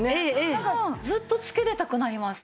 ずっとつけてたくなります。